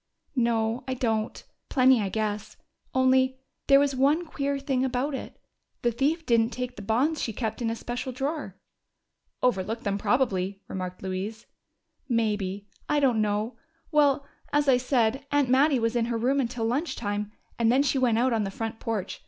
"No, I don't. Plenty, I guess. Only, there was one queer thing about it: the thief didn't take the bonds she kept in a special drawer." "Overlooked them, probably," remarked Mary Louise. "Maybe. I don't know. Well, as I said, Aunt Mattie was in her room until lunch time, and then she went out on the front porch.